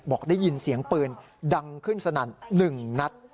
บอกได้ยินเสียงปืนดังขึ้นสนั่น๑นัด